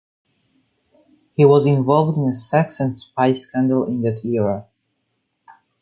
He was involved in a sex and spy scandal in that era.